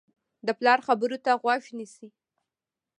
د پلار خبرو ته غوږ نیسي.